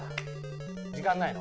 時間ないの？